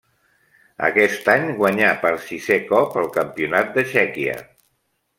Aquest any guanyà per sisè cop el campionat de Txèquia.